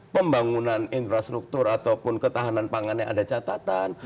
pembangunan infrastruktur ataupun ketahanan pangannya ada catatan